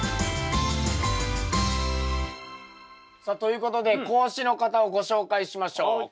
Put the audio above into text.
さあということで講師の方をご紹介しましょう。